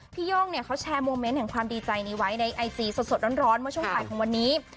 โย่งเนี่ยเขาแชร์โมเมนต์แห่งความดีใจนี้ไว้ในไอจีสดร้อนเมื่อช่วงบ่ายของวันนี้